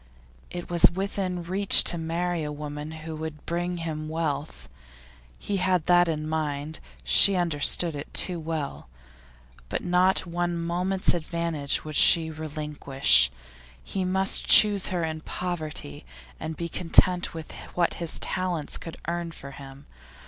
It was within his reach to marry a woman who would bring him wealth. He had that in mind; she understood it too well. But not one moment's advantage would she relinquish. He must choose her in her poverty, and be content with what his talents could earn for him.